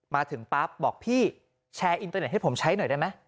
มาถึงปั๊บบอกพี่แชร์อินเตอร์เน็ตให้ผมใช้หน่อยได้ไหม